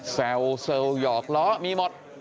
แซวซัวหยอกเหลาะมีหมด